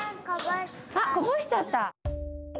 あこぼしちゃった？